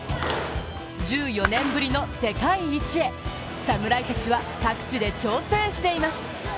１４年ぶりの世界一へ、侍たちは各地で調整しています。